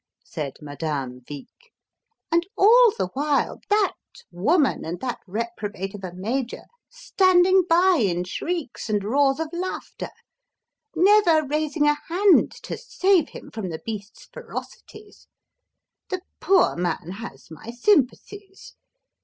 said Madame Vic. "And all the while that woman and that reprobate of a Major standing by in shrieks and roars of laughter never raising a hand to save him from the beast's ferocities! The poor man has my sympathies.